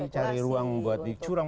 cari ruang buat dicurang